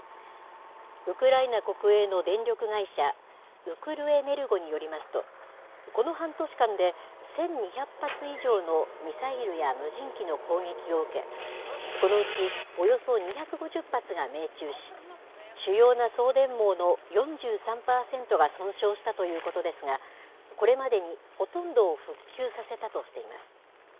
ウクライナ国営の電力会社、ウクルエネルゴによりますと、この半年間で１２００発以上のミサイルや無人機の攻撃を受け、このうちおよそ２５０発が命中し、主要な送電網の４３％が損傷したということですが、これまでにほとんどを復旧させたとしています。